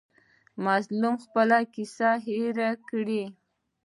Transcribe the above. مظلوم خپله کیسه هېر کړي.